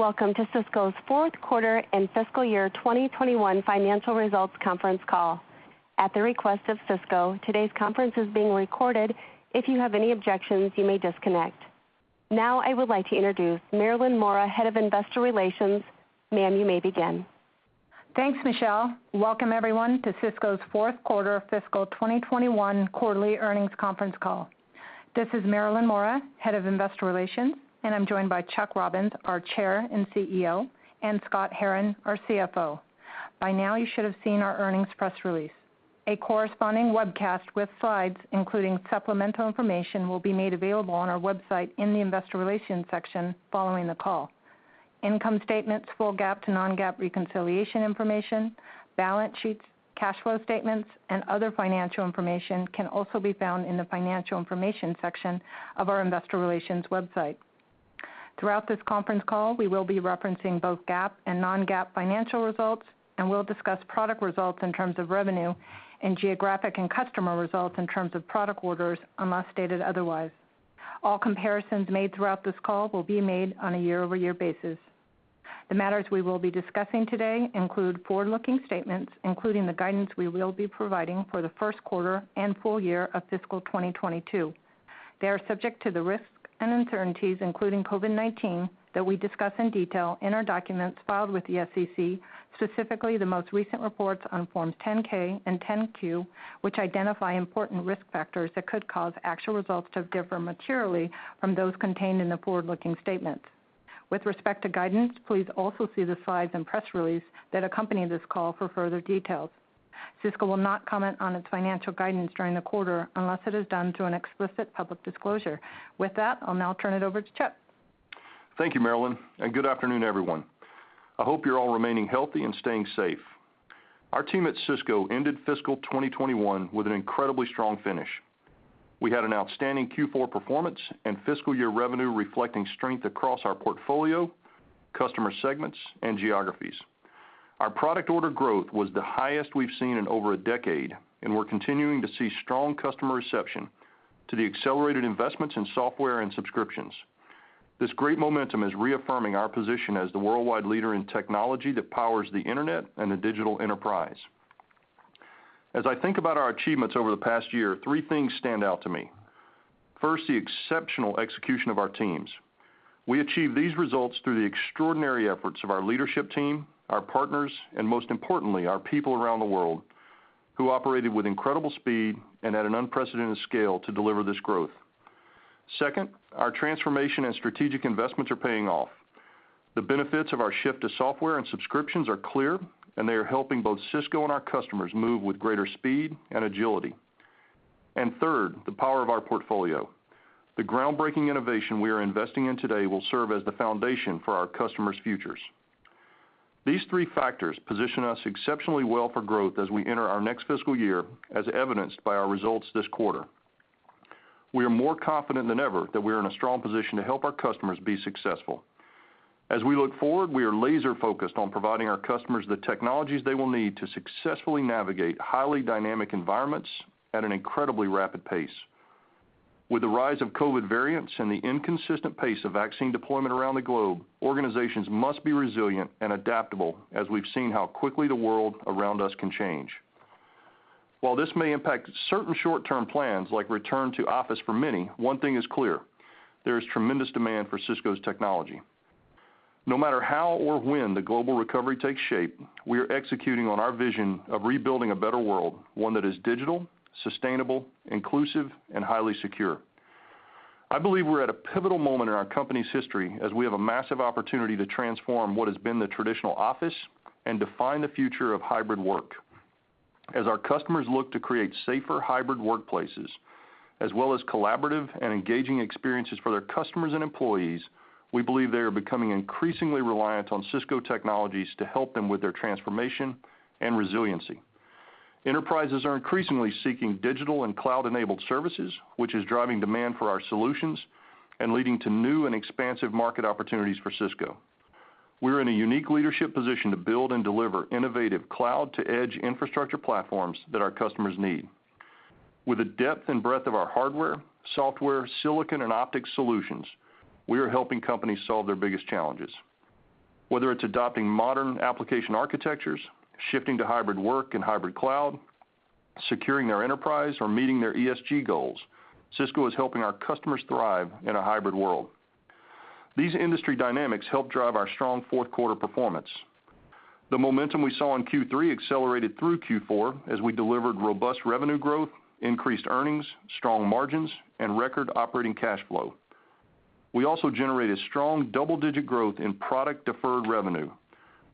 Welcome to Cisco's fourth quarter and fiscal year 2021 financial results conference call. At the request of Cisco, today's conference is being recorded. If you have any objections, you may disconnect. Now, I would like to introduce Marilyn Mora, Head of Investor Relations. Ma'am, you may begin. Thanks, Michelle. Welcome everyone to Cisco's fourth quarter fiscal 2021 quarterly earnings conference call. This is Marilyn Mora, Head of Investor Relations, and I'm joined by Chuck Robbins, our Chair and CEO, and Scott Herren, our CFO. By now, you should have seen our earnings press release. A corresponding webcast with slides, including supplemental information, will be made available on our website in the investor relations section following the call. Income statements, full GAAP to non-GAAP reconciliation information, balance sheets, cash flow statements, and other financial information can also be found in the Financial Information section of our investor relations website. Throughout this conference call, we will be referencing both GAAP and non-GAAP financial results, and we'll discuss product results in terms of revenue and geographic and customer results in terms of product orders, unless stated otherwise. All comparisons made throughout this call will be made on a year-over-year basis. The matters we will be discussing today include forward-looking statements, including the guidance we will be providing for the first quarter and full year of fiscal 2022. They are subject to the risks and uncertainties, including COVID-19, that we discuss in detail in our documents filed with the SEC, specifically the most recent reports on Forms 10-K and 10-Q, which identify important risk factors that could cause actual results to differ materially from those contained in the forward-looking statements. With respect to guidance, please also see the slides and press release that accompany this call for further details. Cisco will not comment on its financial guidance during the quarter unless it is done through an explicit public disclosure. With that, I'll now turn it over to Chuck. Thank you, Marilyn, and good afternoon, everyone. I hope you're all remaining healthy and staying safe. Our team at Cisco ended fiscal 2021 with an incredibly strong finish. We had an outstanding Q4 performance and fiscal year revenue reflecting strength across our portfolio, customer segments, and geographies. Our product order growth was the highest we've seen in over a decade, and we're continuing to see strong customer reception to the accelerated investments in software and subscriptions. This great momentum is reaffirming our position as the worldwide leader in technology that powers the internet and the digital enterprise. As I think about our achievements over the past year, three things stand out to me. First, the exceptional execution of our teams. We achieved these results through the extraordinary efforts of our leadership team, our partners, and most importantly, our people around the world who operated with incredible speed and at an unprecedented scale to deliver this growth. Second, our transformation and strategic investments are paying off. The benefits of our shift to software and subscriptions are clear, and they are helping both Cisco and our customers move with greater speed and agility. Third, the power of our portfolio. The groundbreaking innovation we are investing in today will serve as the foundation for our customers' futures. These three factors position us exceptionally well for growth as we enter our next fiscal year, as evidenced by our results this quarter. We are more confident than ever that we are in a strong position to help our customers be successful. As we look forward, we are laser-focused on providing our customers the technologies they will need to successfully navigate highly dynamic environments at an incredibly rapid pace. With the rise of COVID variants and the inconsistent pace of vaccine deployment around the globe, organizations must be resilient and adaptable, as we've seen how quickly the world around us can change. While this may impact certain short-term plans, like return to office for many, one thing is clear: There is tremendous demand for Cisco's technology. No matter how or when the global recovery takes shape, we are executing on our vision of rebuilding a better world, one that is digital, sustainable, inclusive, and highly secure. I believe we're at a pivotal moment in our company's history as we have a massive opportunity to transform what has been the traditional office and define the future of hybrid work. As our customers look to create safer hybrid workplaces, as well as collaborative and engaging experiences for their customers and employees, we believe they are becoming increasingly reliant on Cisco technologies to help them with their transformation and resiliency. Enterprises are increasingly seeking digital and cloud-enabled services, which is driving demand for our solutions and leading to new and expansive market opportunities for Cisco. We're in a unique leadership position to build and deliver innovative cloud-to-edge infrastructure platforms that our customers need. With the depth and breadth of our hardware, software, silicon, and optics solutions, we are helping companies solve their biggest challenges. Whether it's adopting modern application architectures, shifting to hybrid work and hybrid cloud, securing their enterprise, or meeting their ESG goals, Cisco is helping our customers thrive in a hybrid world. These industry dynamics help drive our strong fourth quarter performance. The momentum we saw in Q3 accelerated through Q4 as we delivered robust revenue growth, increased earnings, strong margins, and record operating cash flow. We also generated strong double-digit growth in product deferred revenue,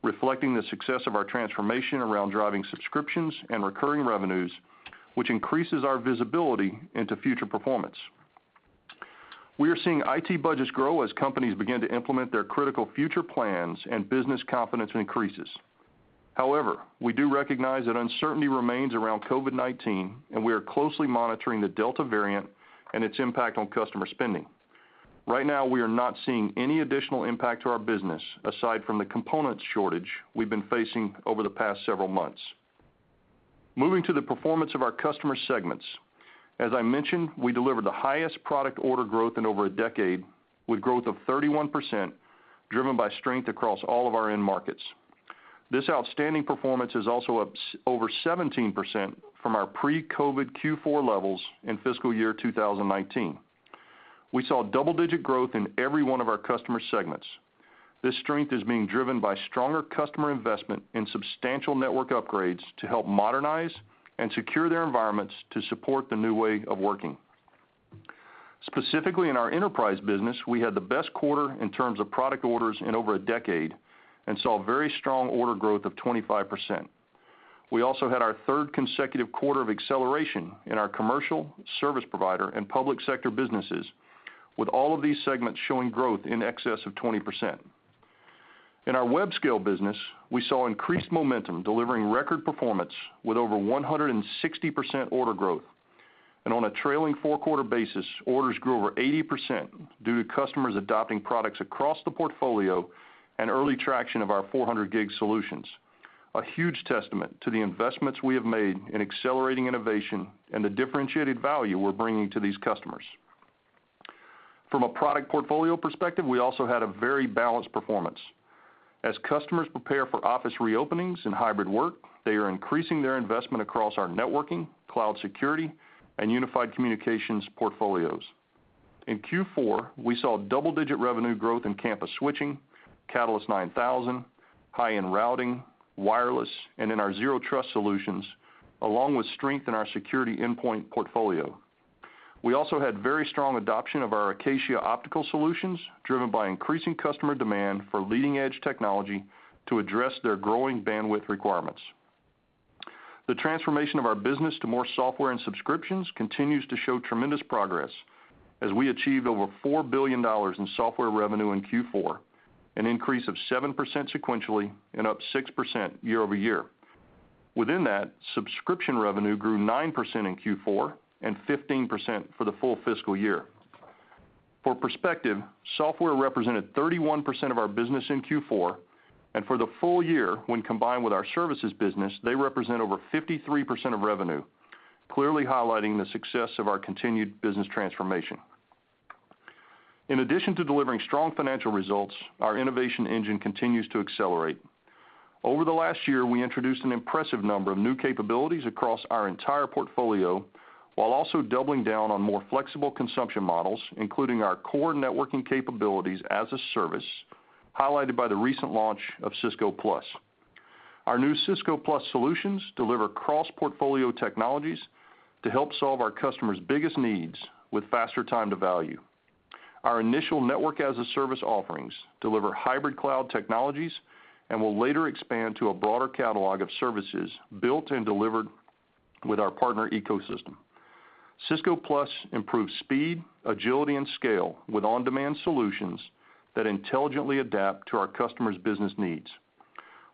reflecting the success of our transformation around driving subscriptions and recurring revenues, which increases our visibility into future performance. We are seeing IT budgets grow as companies begin to implement their critical future plans and business confidence increases. We do recognize that uncertainty remains around COVID-19, and we are closely monitoring the Delta variant and its impact on customer spending. Right now, we are not seeing any additional impact to our business, aside from the components shortage we've been facing over the past several months. Moving to the performance of our customer segments. As I mentioned, we delivered the highest product order growth in over a decade with growth of 31%, driven by strength across all of our end markets. This outstanding performance is also up over 17% from our pre-COVID-19 Q4 levels in fiscal year 2019. We saw double-digit growth in every one of our customer segments. This strength is being driven by stronger customer investment and substantial network upgrades to help modernize and secure their environments to support the new way of working. Specifically in our enterprise business, we had the best quarter in terms of product orders in over a decade and saw very strong order growth of 25%. We also had our third consecutive quarter of acceleration in our commercial, service provider, and public sector businesses, with all of these segments showing growth in excess of 20%. In our web scale business, we saw increased momentum, delivering record performance with over 160% order growth. On a trailing four-quarter basis, orders grew over 80% due to customers adopting products across the portfolio and early traction of our 400 gig solutions, a huge testament to the investments we have made in accelerating innovation and the differentiated value we're bringing to these customers. From a product portfolio perspective, we also had a very balanced performance. As customers prepare for office reopenings and hybrid work, they are increasing their investment across our networking, cloud security, and unified communications portfolios. In Q4, we saw double-digit revenue growth in campus switching, Catalyst 9000, high-end routing, wireless, and in our Zero Trust solutions, along with strength in our security endpoint portfolio. We also had very strong adoption of our Acacia optical solutions, driven by increasing customer demand for leading-edge technology to address their growing bandwidth requirements. The transformation of our business to more software and subscriptions continues to show tremendous progress as we achieved over $4 billion in software revenue in Q4, an increase of 7% sequentially and up 6% year-over-year. Within that, subscription revenue grew 9% in Q4 and 15% for the full fiscal year. For perspective, software represented 31% of our business in Q4, and for the full year, when combined with our services business, they represent over 53% of revenue, clearly highlighting the success of our continued business transformation. In addition to delivering strong financial results, our innovation engine continues to accelerate. Over the last year, we introduced an impressive number of new capabilities across our entire portfolio, while also doubling down on more flexible consumption models, including our core networking capabilities as a service, highlighted by the recent launch of Cisco Plus. Our new Cisco Plus solutions deliver cross-portfolio technologies to help solve our customers' biggest needs with faster time to value. Our initial network-as-a-service offerings deliver hybrid cloud technologies and will later expand to a broader catalog of services built and delivered with our partner ecosystem. Cisco Plus improves speed, agility, and scale with on-demand solutions that intelligently adapt to our customers' business needs.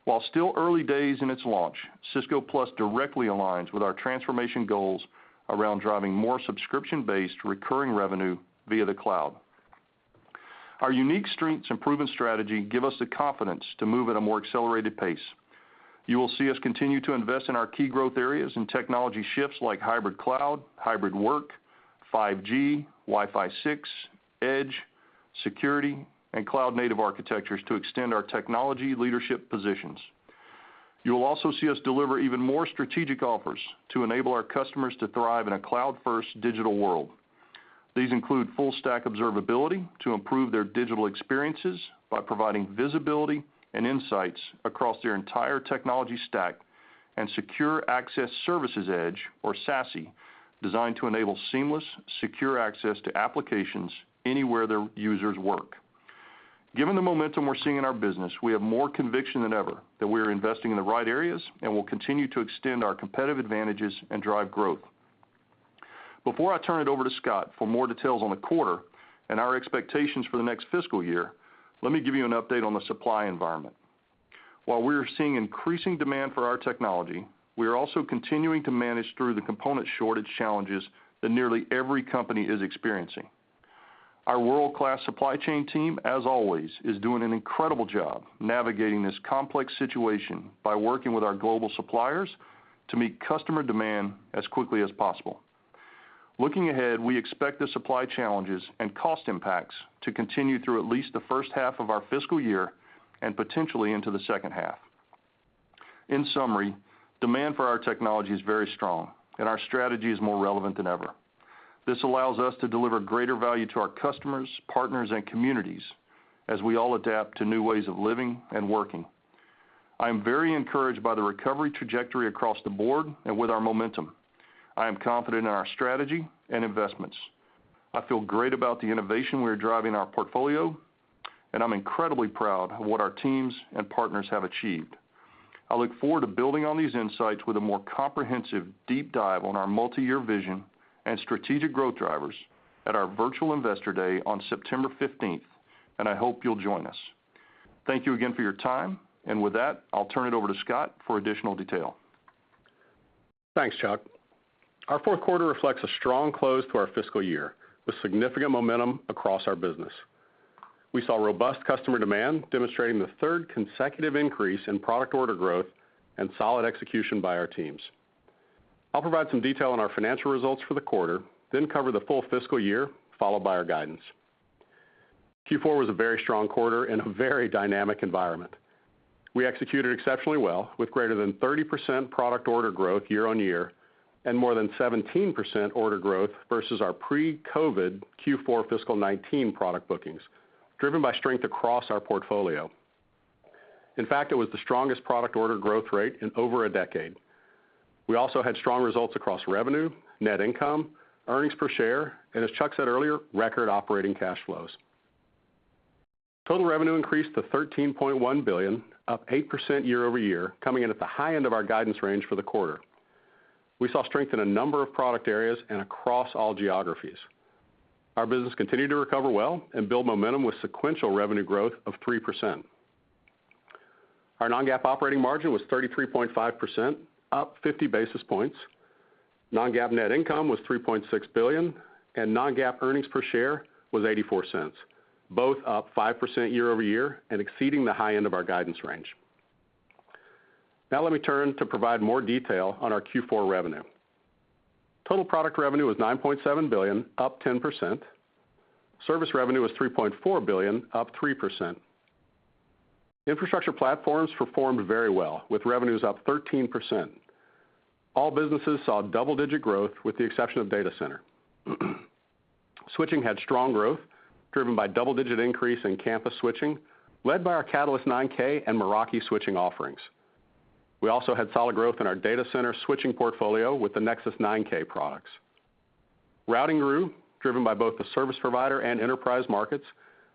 While still early days in its launch, Cisco Plus directly aligns with our transformation goals around driving more subscription-based recurring revenue via the cloud. Our unique strengths and proven strategy give us the confidence to move at a more accelerated pace. You will see us continue to invest in our key growth areas and technology shifts like hybrid cloud, hybrid work, 5G, Wi-Fi 6, edge, security, and cloud-native architectures to extend our technology leadership positions. You will also see us deliver even more strategic offers to enable our customers to thrive in a cloud-first digital world. These include full-stack observability to improve their digital experiences by providing visibility and insights across their entire technology stack and secure access service edge, or SASE, designed to enable seamless, secure access to applications anywhere their users work. Given the momentum we're seeing in our business, we have more conviction than ever that we are investing in the right areas and will continue to extend our competitive advantages and drive growth. Before I turn it over to Scott for more details on the quarter and our expectations for the next fiscal year, let me give you an update on the supply environment. While we are seeing increasing demand for our technology, we are also continuing to manage through the component shortage challenges that nearly every company is experiencing. Our world-class supply chain team, as always, is doing an incredible job navigating this complex situation by working with our global suppliers to meet customer demand as quickly as possible. Looking ahead, we expect the supply challenges and cost impacts to continue through at least the first half of our fiscal year and potentially into the second half. In summary, demand for our technology is very strong, and our strategy is more relevant than ever. This allows us to deliver greater value to our customers, partners, and communities as we all adapt to new ways of living and working. I am very encouraged by the recovery trajectory across the board and with our momentum. I am confident in our strategy and investments. I feel great about the innovation we are driving in our portfolio, and I'm incredibly proud of what our teams and partners have achieved. I look forward to building on these insights with a more comprehensive deep dive on our multiyear vision and strategic growth drivers at our Virtual Investor Day on September 15th, and I hope you'll join us. Thank you again for your time, and with that, I'll turn it over to Scott Herren for additional detail. Thanks, Chuck. Our fourth quarter reflects a strong close to our fiscal year, with significant momentum across our business. We saw robust customer demand demonstrating the third consecutive increase in product order growth and solid execution by our teams. I'll provide some detail on our financial results for the quarter, then cover the full fiscal year, followed by our guidance. Q4 was a very strong quarter in a very dynamic environment. We executed exceptionally well with greater than 30% product order growth year-on-year and more than 17% order growth versus our pre-COVID Q4 fiscal 2019 product bookings, driven by strength across our portfolio. In fact, it was the strongest product order growth rate in over a decade. We also had strong results across revenue, net income, earnings per share, and as Chuck said earlier, record operating cash flows. Total revenue increased to $13.1 billion, up 8% year-over-year, coming in at the high end of our guidance range for the quarter. We saw strength in a number of product areas and across all geographies. Our business continued to recover well and build momentum with sequential revenue growth of 3%. Our non-GAAP operating margin was 33.5%, up 50 basis points. Non-GAAP net income was $3.6 billion, and non-GAAP earnings per share was $0.84, both up 5% year-over-year and exceeding the high end of our guidance range. Now let me turn to provide more detail on our Q4 revenue. Total product revenue was $9.7 billion, up 10%. Service revenue was $3.4 billion, up 3%. Infrastructure platforms performed very well with revenues up 13%. All businesses saw double-digit growth with the exception of Data Center. switching had strong growth driven by double-digit increase in campus switching led by our Catalyst 9000 and Meraki switching offerings. We also had solid growth in our Data Center switching portfolio with the Nexus 9000 products. routing grew, driven by both the service provider and enterprise markets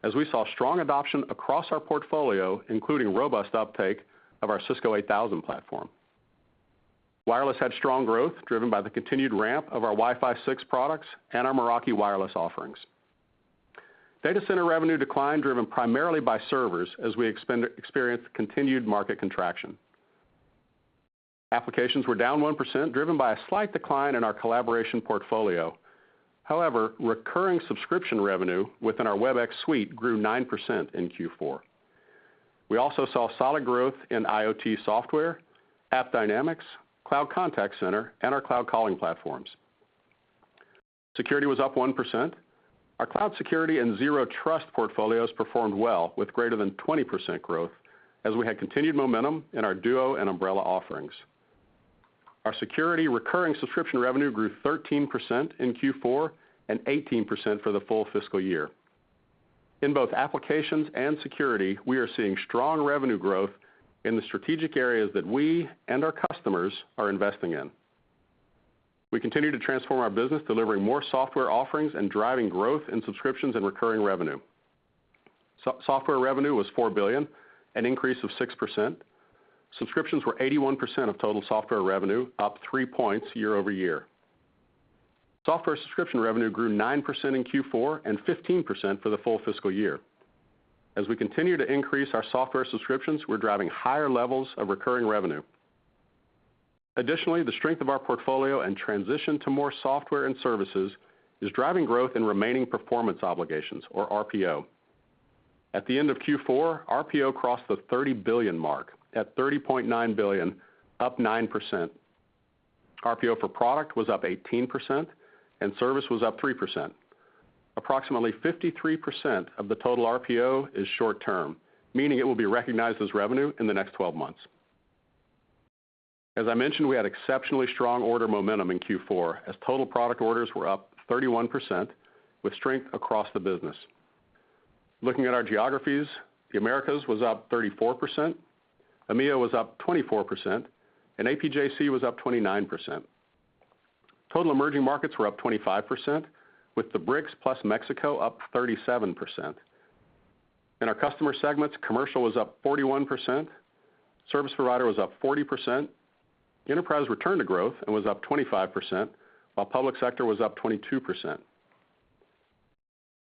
as we saw strong adoption across our portfolio, including robust uptake of our Cisco 8000 Series platform. wireless had strong growth driven by the continued ramp of our Wi-Fi 6 products and our Meraki wireless offerings. Data Center revenue declined, driven primarily by servers as we experienced continued market contraction. applications were down 1%, driven by a slight decline in our collaboration portfolio. However, recurring subscription revenue within our Webex suite grew 9% in Q4. We also saw solid growth in IoT software, AppDynamics, cloud contact center, and our cloud calling platforms. Security was up 1%. Our cloud security and Zero Trust portfolios performed well with greater than 20% growth as we had continued momentum in our Duo and Umbrella offerings. Our security recurring subscription revenue grew 13% in Q4 and 18% for the full fiscal year. In both applications and security, we are seeing strong revenue growth in the strategic areas that we and our customers are investing in. We continue to transform our business, delivering more software offerings and driving growth in subscriptions and recurring revenue. Software revenue was $4 billion, an increase of 6%. Subscriptions were 81% of total software revenue, up three points year-over-year. Software subscription revenue grew 9% in Q4 and 15% for the full fiscal year. As we continue to increase our software subscriptions, we're driving higher levels of recurring revenue. Additionally, the strength of our portfolio and transition to more software and services is driving growth in remaining performance obligations or RPO. At the end of Q4, RPO crossed the $30 billion mark at $30.9 billion, up 9%. RPO for product was up 18% and service was up 3%. Approximately 53% of the total RPO is short term, meaning it will be recognized as revenue in the next 12 months. As I mentioned, we had exceptionally strong order momentum in Q4 as total product orders were up 31% with strength across the business. Looking at our geographies, the Americas was up 34%, EMEA was up 24%, and APJC was up 29%. Total emerging markets were up 25%, with the BRICS plus Mexico up 37%. In our customer segments, Commercial was up 41%, Service Provider was up 40%. Enterprise returned to growth and was up 25%, while Public Sector was up 22%.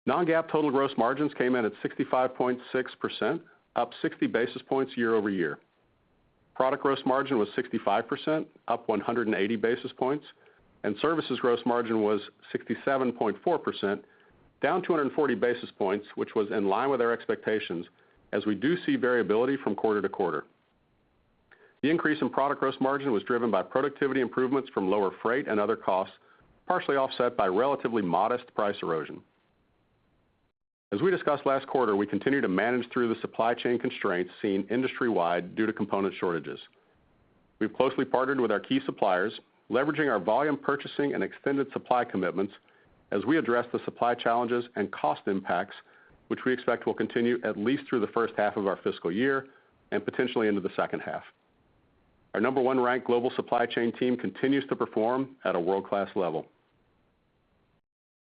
non-GAAP total gross margins came in at 65.6%, up 60 basis points year-over-year. Product gross margin was 65%, up 180 basis points, and services gross margin was 67.4%, down 240 basis points, which was in line with our expectations as we do see variability from quarter-to-quarter. The increase in product gross margin was driven by productivity improvements from lower freight and other costs, partially offset by relatively modest price erosion. As we discussed last quarter, we continue to manage through the supply chain constraints seen industry-wide due to component shortages. We've closely partnered with our key suppliers, leveraging our volume purchasing and extended supply commitments as we address the supply challenges and cost impacts, which we expect will continue at least through the first half of our fiscal year and potentially into the second half. Our number one ranked global supply chain team continues to perform at a world-class level.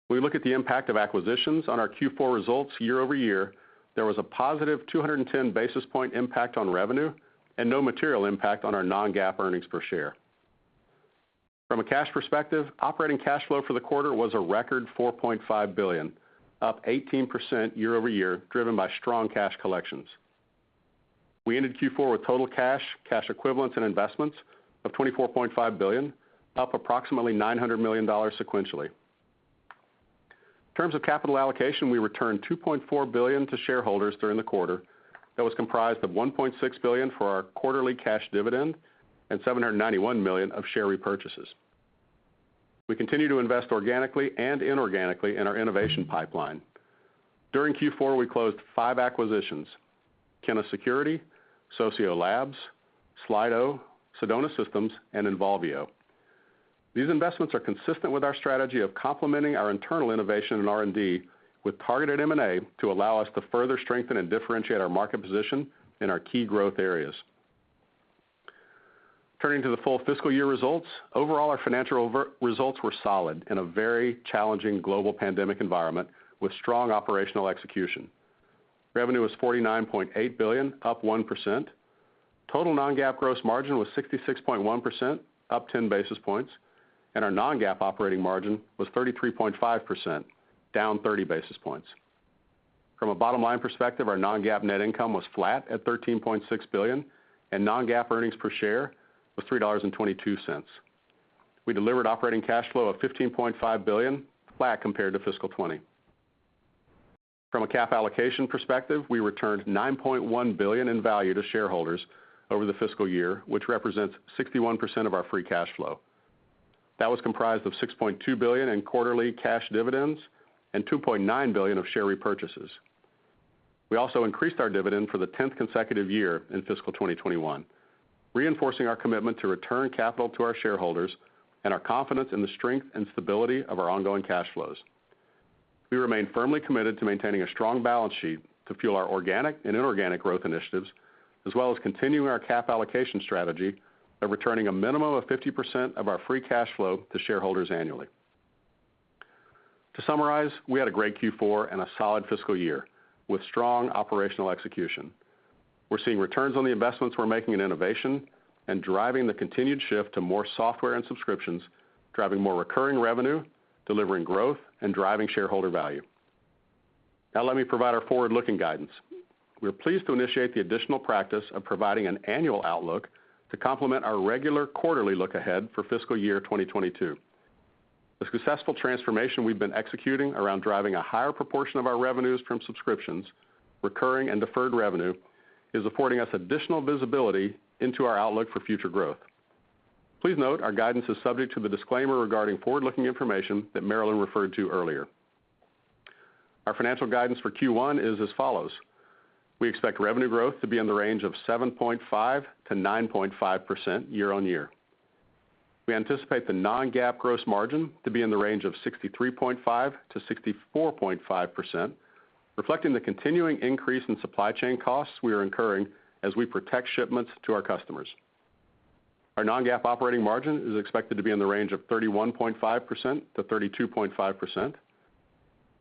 We look at the impact of acquisitions on our Q4 results year-over-year. There was a positive 210 basis point impact on revenue and no material impact on our non-GAAP earnings per share. From a cash perspective, operating cash flow for the quarter was a record $4.5 billion, up 18% year-over-year, driven by strong cash collections. We ended Q4 with total cash equivalents, and investments of $24.5 billion, up approximately $900 million sequentially. In terms of capital allocation, we returned $2.4 billion to shareholders during the quarter. That was comprised of $1.6 billion for our quarterly cash dividend and $791 million of share repurchases. We continue to invest organically and inorganically in our innovation pipeline. During Q4, we closed five acquisitions: Kenna Security, Socio Labs, Slido, Sedona Systems, and Involvio. These investments are consistent with our strategy of complementing our internal innovation and R&D with targeted M&A to allow us to further strengthen and differentiate our market position in our key growth areas. Turning to the full fiscal year results, overall, our financial results were solid in a very challenging global pandemic environment with strong operational execution. Revenue was $49.8 billion, up 1%. Total non-GAAP gross margin was 66.1%, up 10 basis points, and our non-GAAP operating margin was 33.5%, down 30 basis points. From a bottom-line perspective, our non-GAAP net income was flat at $13.6 billion, and non-GAAP earnings per share was $3.22. We delivered operating cash flow of $15.5 billion, flat compared to fiscal 2020. From a cap allocation perspective, we returned $9.1 billion in value to shareholders over the fiscal year, which represents 61% of our free cash flow. That was comprised of $6.2 billion in quarterly cash dividends and $2.9 billion of share repurchases. We also increased our dividend for the 10th consecutive year in fiscal 2021, reinforcing our commitment to return capital to our shareholders and our confidence in the strength and stability of our ongoing cash flows. We remain firmly committed to maintaining a strong balance sheet to fuel our organic and inorganic growth initiatives, as well as continuing our cap allocation strategy of returning a minimum of 50% of our free cash flow to shareholders annually. To summarize, we had a great Q4 and a solid fiscal year with strong operational execution. We're seeing returns on the investments we're making in innovation and driving the continued shift to more software and subscriptions, driving more recurring revenue, delivering growth, and driving shareholder value. Now, let me provide our forward-looking guidance. We are pleased to initiate the additional practice of providing an annual outlook to complement our regular quarterly look-ahead for fiscal year 2022. The successful transformation we've been executing around driving a higher proportion of our revenues from subscriptions, recurring and deferred revenue is affording us additional visibility into our outlook for future growth. Please note our guidance is subject to the disclaimer regarding forward-looking information that Marilyn referred to earlier. Our financial guidance for Q1 is as follows. We expect revenue growth to be in the range of 7.5%-9.5% year-over-year. We anticipate the non-GAAP gross margin to be in the range of 63.5%-64.5%, reflecting the continuing increase in supply chain costs we are incurring as we protect shipments to our customers. Our non-GAAP operating margin is expected to be in the range of 31.5%-32.5%.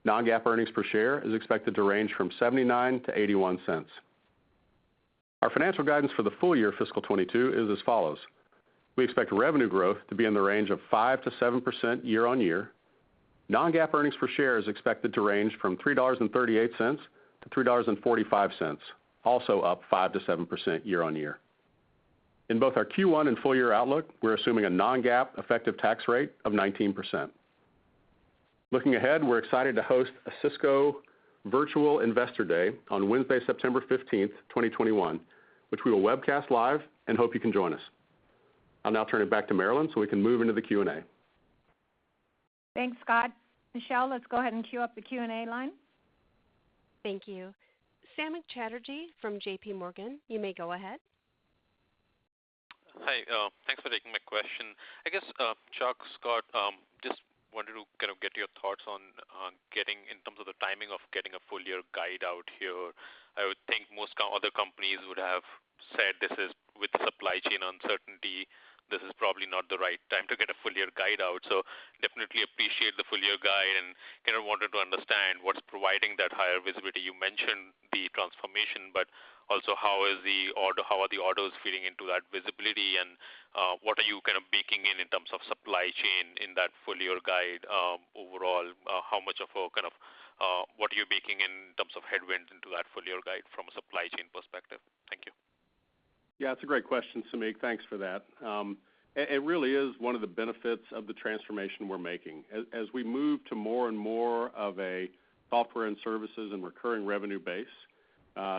Non-GAAP earnings per share is expected to range from $0.79-$0.81. Our financial guidance for the full year fiscal 2022 is as follows. We expect revenue growth to be in the range of 5%-7% year-over-year. Non-GAAP earnings per share is expected to range from $3.38-$3.45, also up 5%-7% year-over-year. In both our Q1 and full year outlook, we're assuming a non-GAAP effective tax rate of 19%. Looking ahead, we're excited to host a Cisco Virtual Investor Day on Wednesday, September 15th, 2021, which we will webcast live and hope you can join us. I'll now turn it back to Marilyn so we can move into the Q&A. Thanks, Scott. Michelle, let's go ahead and queue up the Q&A line. Thank you. Samik Chatterjee from JPMorgan, you may go ahead. Hi. Thanks for taking my question. I guess, Chuck, Scott, just wanted to kind of get your thoughts on getting, in terms of the timing of getting a full year guide out here. I would think most other companies would have said this is, with supply chain uncertainty, this is probably not the right time to get a full year guide out. Definitely appreciate the full year guide and, kind of, wanted to understand what's providing that higher visibility. You mentioned the transformation, but also how are the orders feeding into that visibility? What are you, kind of, baking in terms of supply chain in that full year guide? Overall, how much of a, kind of, what are you baking in terms of headwinds into that full year guide from a supply chain perspective? Thank you. Yeah, it's a great question, Samik. Thanks for that. It really is one of the benefits of the transformation we're making. As we move to more and more of a software and services and recurring revenue base,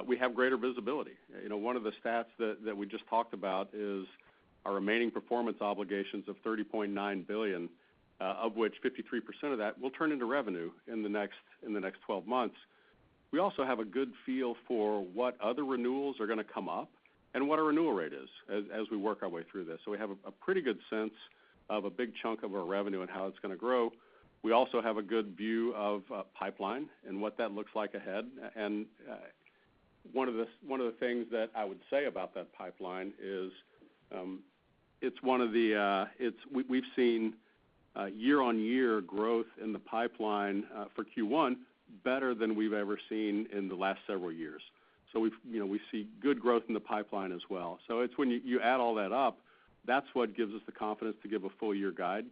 we have greater visibility. You know, one of the stats that we just talked about is our remaining performance obligations of $30.9 billion, of which 53% of that will turn into revenue in the next 12 months. We also have a good feel for what other renewals are gonna come up and what our renewal rate is as we work our way through this. We have a pretty good sense of a big chunk of our revenue and how it's gonna grow. We also have a good view of pipeline and what that looks like ahead. One of the things that I would say about that pipeline is, We've seen year-over-year growth in the pipeline for Q1 better than we've ever seen in the last several years. We've, you know, we see good growth in the pipeline as well. It's when you add all that up, that's what gives us the confidence to give a full year guide.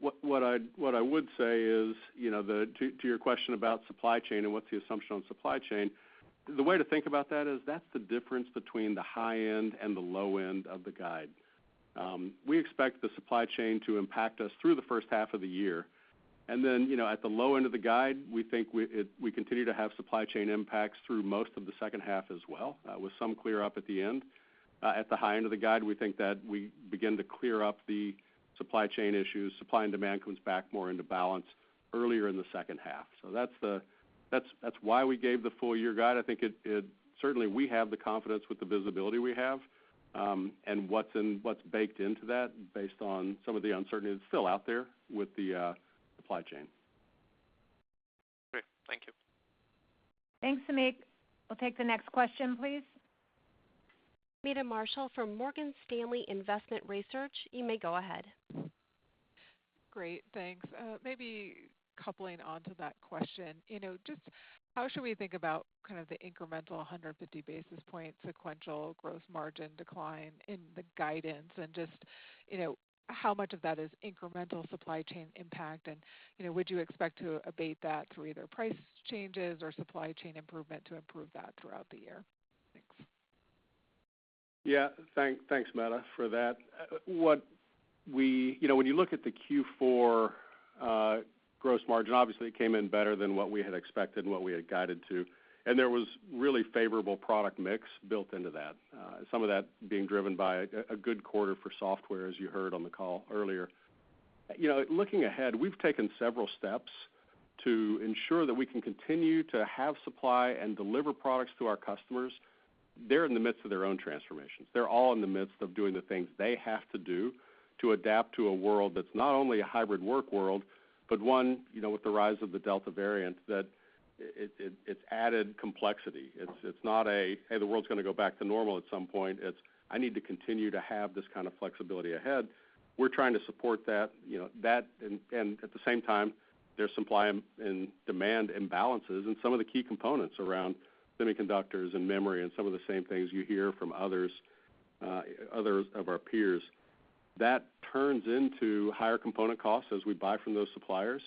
What I would say is, you know, to your question about supply chain and what's the assumption on supply chain, the way to think about that is that's the difference between the high end and the low end of the guide. We expect the supply chain to impact us through the first half of the year. You know, at the low end of the guide, we think we continue to have supply chain impacts through most of the second half as well, with some clear up at the end. At the high end of the guide, we think that we begin to clear up the supply chain issues, supply and demand comes back more into balance earlier in the second half. That's why we gave the full year guide. I think it certainly we have the confidence with the visibility we have, and what's baked into that based on some of the uncertainty that's still out there with the supply chain. Great. Thank you. Thanks, Samik. We'll take the next question, please. Meta Marshall from Morgan Stanley Investment Research, you may go ahead. Great. Thanks. Maybe coupling onto that question, you know, just how should we think about kind of the incremental 150 basis point sequential gross margin decline in the guidance and just, you know, how much of that is incremental supply chain impact and, you know, would you expect to abate that through either price changes or supply chain improvement to improve that throughout the year? Thanks. Yeah. Thanks, Meta, for that. You know, when you look at the Q4 gross margin, obviously it came in better than what we had expected and what we had guided to, and there was really favorable product mix built into that, some of that being driven by a good quarter for software, as you heard on the call earlier. You know, looking ahead, we've taken several steps to ensure that we can continue to have supply and deliver products to our customers. They're in the midst of their own transformations. They're all in the midst of doing the things they have to do to adapt to a world that's not only a hybrid work world, but one, you know, with the rise of the Delta variant that it's added complexity. It's not a, "Hey, the world's gonna go back to normal at some point," it's, "I need to continue to have this kind of flexibility ahead." We're trying to support that, you know, that and at the same time, there's supply and demand imbalances in some of the key components around semiconductors and memory and some of the same things you hear from others of our peers. That turns into higher component costs as we buy from those suppliers.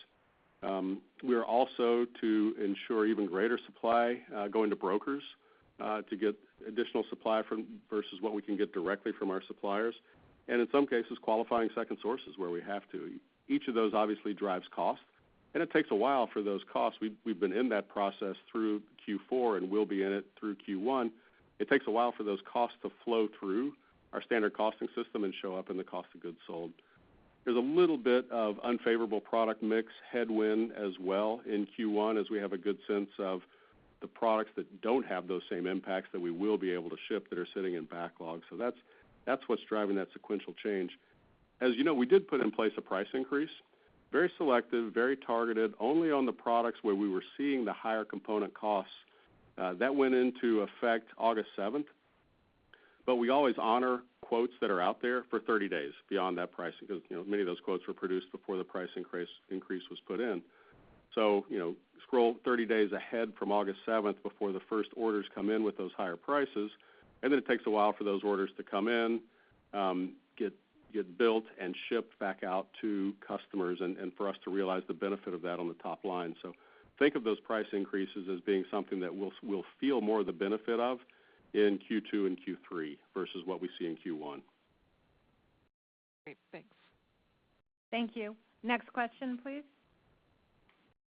We are also to ensure even greater supply, going to brokers, to get additional supply from versus what we can get directly from our suppliers, and in some cases, qualifying second sources where we have to. Each of those obviously drives cost, and it takes a while for those costs we've been in that process through Q4 and will be in it through Q1. It takes a while for those costs to flow through our standard costing system and show up in the cost of goods sold. There's a little bit of unfavorable product mix headwind as well in Q1 as we have a good sense of the products that don't have those same impacts that we will be able to ship that are sitting in backlog. That's what's driving that sequential change. As you know, we did put in place a price increase, very selective, very targeted, only on the products where we were seeing the higher component costs. That went into effect August 7th, we always honor quotes that are out there for 30 days beyond that price because, you know, many of those quotes were produced before the price increase was put in. You know, scroll 30 days ahead from August 7th before the first orders come in with those higher prices, and then it takes a while for those orders to come in, get built and shipped back out to customers and for us to realize the benefit of that on the top line. Think of those price increases as being something that we'll feel more of the benefit of in Q2 and Q3 versus what we see in Q1. Great. Thanks. Thank you. Next question, please.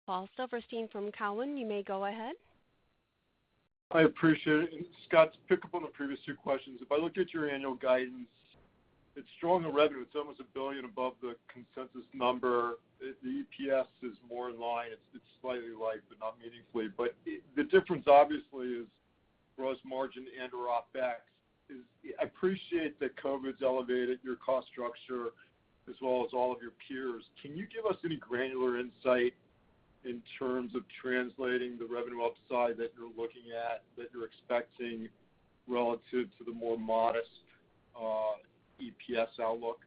Paul Silverstein from Cowen, you may go ahead. I appreciate it. Scott, to pick up on the previous two questions, if I look at your annual guidance, it's strong in revenue. It's almost $1 billion above the consensus number. The EPS is more in line. It's slightly light, but not meaningfully. The difference obviously is gross margin and/or OpEx. I appreciate that COVID's elevated your cost structure as well as all of your peers. Can you give us any granular insight in terms of translating the revenue upside that you're looking at, that you're expecting relative to the more modest EPS outlook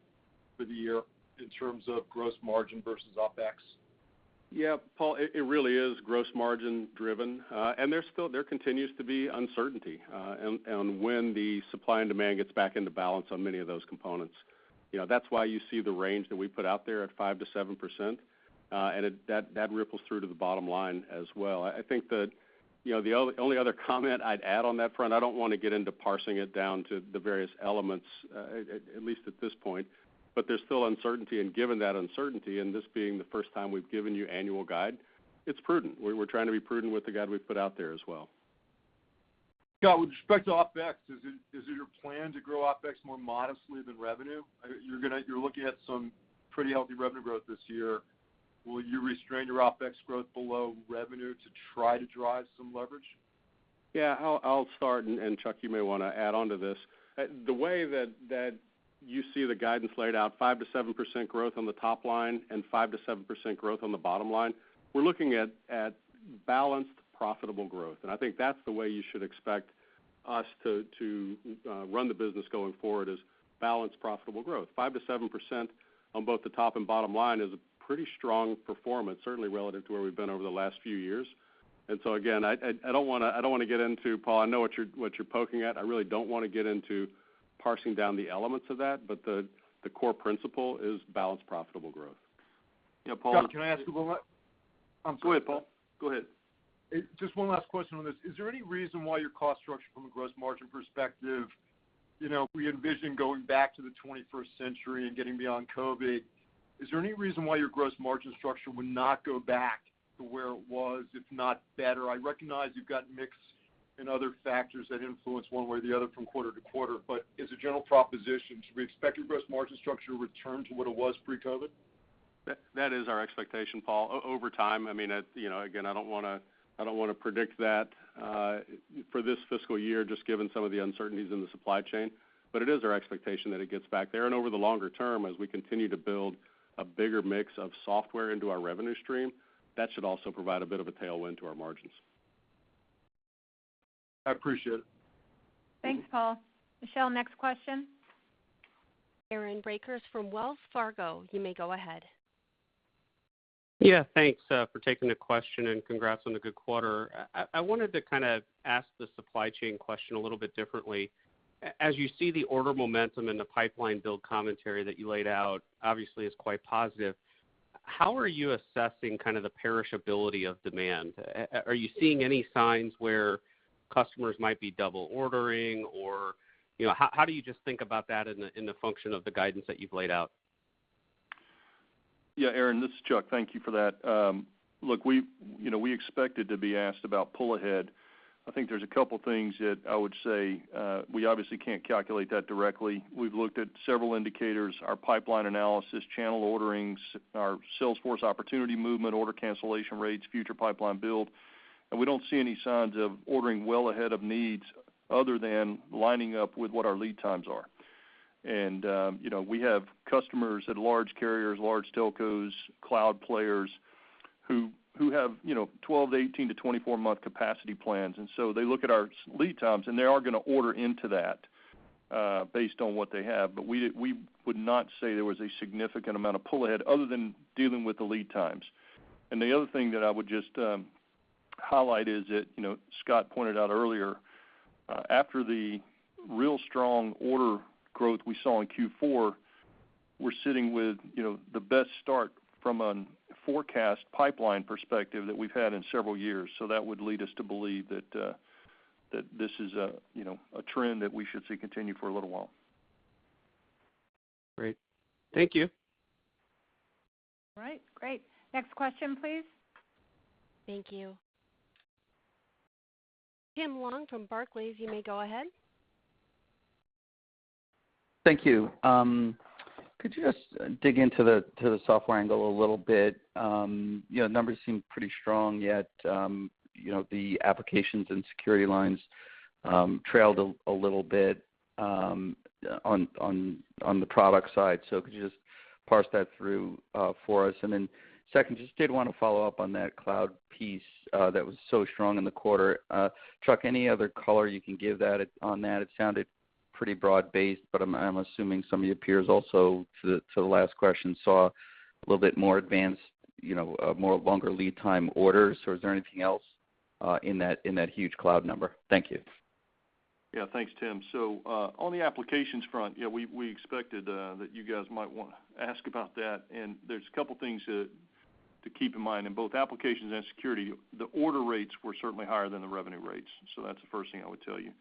for the year in terms of gross margin versus OpEx? Yeah, Paul, it really is gross margin driven. There continues to be uncertainty on when the supply and demand gets back into balance on many of those components. You know, that's why you see the range that we put out there at 5%-7%, that ripples through to the bottom line as well. I think the, you know, the only other comment I'd add on that front, I don't wanna get into parsing it down to the various elements at least at this point, there's still uncertainty, given that uncertainty and this being the first time we've given you annual guide, it's prudent. We're trying to be prudent with the guide we've put out there as well. Scott, with respect to OpEx, is it your plan to grow OpEx more modestly than revenue? You're looking at some pretty healthy revenue growth this year. Will you restrain your OpEx growth below revenue to try to drive some leverage? I'll start, and Chuck, you may want to add onto this. The way that you see the guidance laid out, 5%-7% growth on the top line and 5%-7% growth on the bottom line, we're looking at balanced profitable growth, I think that's the way you should expect us to run the business going forward is balanced profitable growth. 5%-7% on both the top and bottom line is a pretty strong performance, certainly relative to where we've been over the last few years. Again, I don't wanna get into, Paul, I know what you're poking at. I really don't wanna get into parsing down the elements of that, but the core principle is balanced, profitable growth. Yeah, Paul. Chuck, I'm sorry. Go ahead, Paul. Go ahead. Just one last question on this. Is there any reason why your cost structure from a gross margin perspective, you know, we envision going back to the 21st century and getting beyond COVID. Is there any reason why your gross margin structure would not go back to where it was, if not better? I recognize you've got mix and other factors that influence one way or the other from quarter-quarter. As a general proposition, should we expect your gross margin structure to return to what it was pre-COVID? That is our expectation, Paul. Over time, I mean, you know, again, I don't wanna predict that for this fiscal year just given some of the uncertainties in the supply chain. It is our expectation that it gets back there. Over the longer term, as we continue to build a bigger mix of software into our revenue stream, that should also provide a bit of a tailwind to our margins. I appreciate it. Thanks, Paul. Michelle, next question. Aaron Rakers from Wells Fargo, you may go ahead. Yeah, thanks for taking the question and congrats on the good quarter. I wanted to kind of ask the supply chain question a little bit differently. As you see the order momentum and the pipeline build commentary that you laid out, obviously is quite positive, how are you assessing kind of the perishability of demand? Are you seeing any signs where customers might be double ordering or, you know, how do you just think about that in the function of the guidance that you've laid out? Aaron, this is Chuck. Thank you for that. Look, we, you know, we expected to be asked about pull ahead. I think there's a couple things that I would say, we obviously can't calculate that directly. We've looked at several indicators, our pipeline analysis, channel orderings, our sales force opportunity movement, order cancellation rates, future pipeline build. We don't see any signs of ordering well ahead of needs other than lining up with what our lead times are. You know, we have customers at large carriers, large telcos, cloud players who have, you know, 12-18-24-month capacity plans. They look at our lead times, and they are going to order into that based on what they have. We would not say there was a significant amount of pull ahead other than dealing with the lead times. The other thing that I would just highlight is that, you know, Scott pointed out earlier, after the real strong order growth we saw in Q4, we're sitting with, you know, the best start from a forecast pipeline perspective that we've had in several years. That would lead us to believe that this is a, you know, a trend that we should see continue for a little while. Great. Thank you. All right, great. Next question, please. Thank you. Tim Long from Barclays, you may go ahead. Thank you. Could you just dig into the software angle a little bit? You know, numbers seem pretty strong, yet, you know, the applications and security lines, trailed a little bit on the product side. Could you just parse that through for us? Then second, just did wanna follow up on that cloud piece that was so strong in the quarter. Chuck, any other color you can give that, on that? It sounded pretty broad-based, but I'm assuming some of your peers also to the last question, saw a little bit more advanced, you know, more longer lead time orders, or is there anything else in that huge cloud number? Thank you. Thanks, Tim. On the applications front, yeah, we expected that you guys might wanna ask about that, and there's a couple things to keep in mind. In both applications and security, the order rates were certainly higher than the revenue rates, so that's the first thing I would tell you.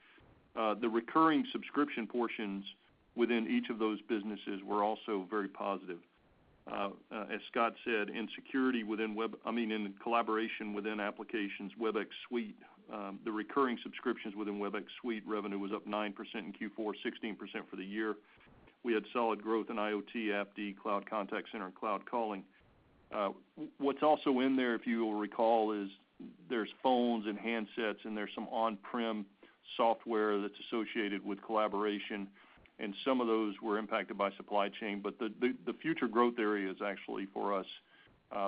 As Scott said, in security within I mean, in collaboration within applications, Webex Suite, the recurring subscriptions within Webex Suite revenue was up 9% in Q4, 16% for the year. We had solid growth in IoT AppD, cloud contact center, and cloud calling. What's also in there, if you will recall, is there's phones and handsets, and there's some on-prem software that's associated with collaboration, and some of those were impacted by supply chain. The future growth areas actually for us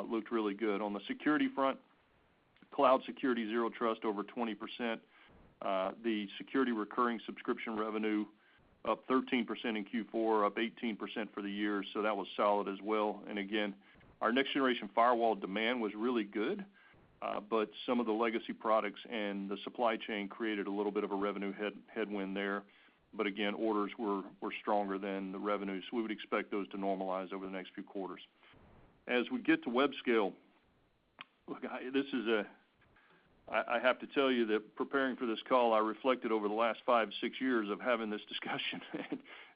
looked really good. On the security front, cloud security Zero Trust over 20%. The security recurring subscription revenue up 13% in Q4, up 18% for the year, that was solid as well. Again, our next generation firewall demand was really good, but some of the legacy products and the supply chain created a little bit of a revenue headwind there. Again, orders were stronger than the revenue, we would expect those to normalize over the next few quarters. As we get to web scale, look, I have to tell you that preparing for this call, I reflected over the last five, six years of having this discussion,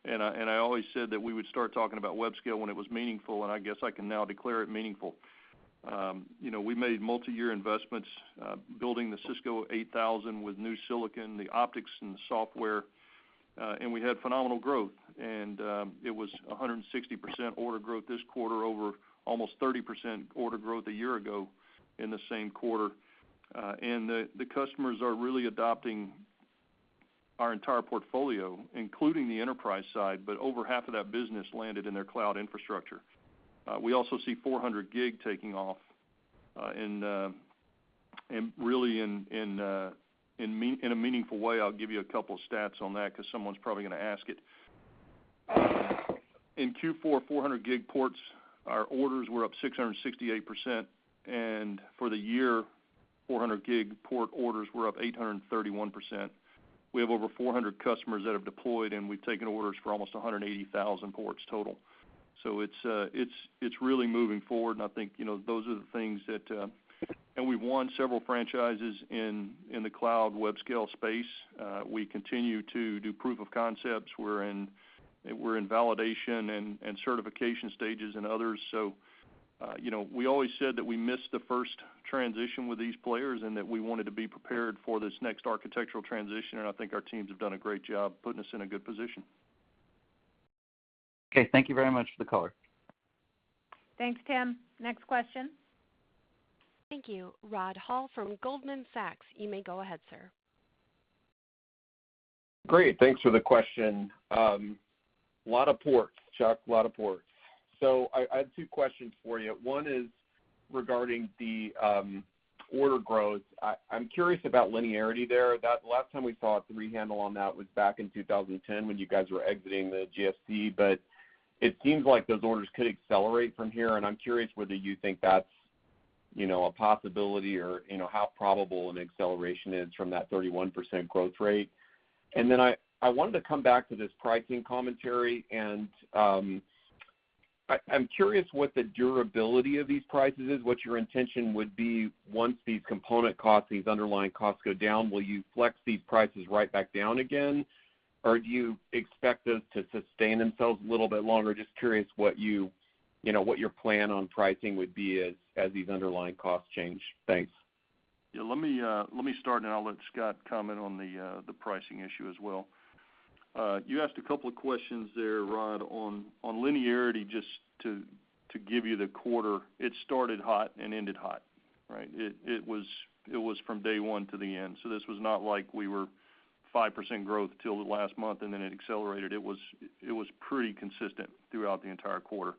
and I always said that we would start talking about web scale when it was meaningful, and I guess I can now declare it meaningful. You know, we made multiyear investments, building the Cisco 8000 with new silicon, the optics and the software, and we had phenomenal growth. It was 160% order growth this quarter over almost 30% order growth a year ago in the same quarter. The customers are really adopting our entire portfolio, including the enterprise side, but over half of that business landed in their cloud infrastructure. We also see 400 gig taking off, and really in a meaningful way, I'll give you a couple stats on that 'cause someone's probably gonna ask it. In Q4, 400 gig ports, our orders were up 668%. For the year, 400 gig port orders were up 831%. We have over 400 customers that have deployed, and we've taken orders for almost 180,000 ports total. It's really moving forward, and I think, you know, those are the things that. We won several franchises in the cloud web scale space. We continue to do proof of concepts. We're in validation and certification stages in others. You know, we always said that we missed the first transition with these players, and that we wanted to be prepared for this next architectural transition, and I think our teams have done a great job putting us in a good position. Okay. Thank you very much for the color. Thanks, Tim. Next question. Thank you. Rod Hall from Goldman Sachs, you may go ahead, sir. Great, thanks for the question. Lot of ports, Chuck, lot of ports. I have two questions for you. One is regarding the order growth. I'm curious about linearity there. The last time we saw a three-handle on that was back in 2010 when you guys were exiting the GFC. It seems like those orders could accelerate from here, and I'm curious whether you think that's, you know, a possibility or, you know, how probable an acceleration is from that 31% growth rate. I wanted to come back to this pricing commentary, and I'm curious what the durability of these prices is, what your intention would be once these component costs, these underlying costs go down. Will you flex these prices right back down again, or do you expect those to sustain themselves a little bit longer? Just curious what you know, what your plan on pricing would be as these underlying costs change. Thanks. Yeah, let me start, and then I'll let Scott comment on the pricing issue as well. You asked a couple of questions there, Rod, on linearity. Just to give you the quarter, it started hot and ended hot, right? It was from day one to the end. This was not like we were 5% growth till the last month, and then it accelerated. It was pretty consistent throughout the entire quarter.